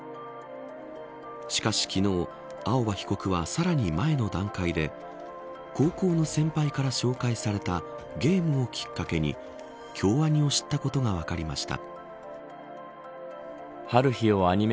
しかし昨日、青葉被告はさらに前の段階で高校の先輩から紹介されたゲームをきっかけに京アニを知ったことが分かりました。